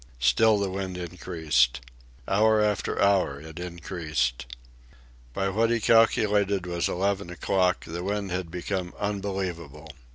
Still the wind increased. Hour after hour it increased. By what he calculated was eleven o'clock, the wind had become unbelievable.